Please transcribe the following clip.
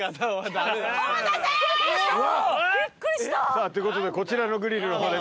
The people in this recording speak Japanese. さあということでこちらのグリルの方で。